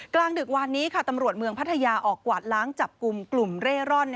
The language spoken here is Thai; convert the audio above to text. กลางดึกวันนี้ค่ะตำรวจเมืองพัทยาออกกวาดล้างจับกลุ่มกลุ่มเร่ร่อน